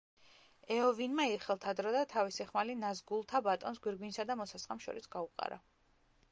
ეოვინმა იხელთა დრო და თავისი ხმალი ნაზგულთა ბატონს გვირგვინსა და მოსასხამს შორის გაუყარა.